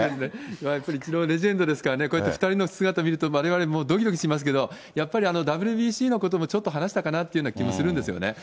やっぱりイチロー、レジェンドですからね、こうやって２人の姿見ると、われわれどきどきしますけど、やっぱりＷＢＣのこともちょっと話したかなという気もするんですよね。